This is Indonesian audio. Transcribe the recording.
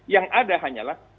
yang ada hanyalah